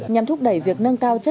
nhằm thúc đẩy việc nâng cao chất lượng